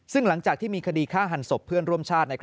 ซึ่งหลังจากที่มีคดีฆ่าหันศพเพื่อนร่วมชาติ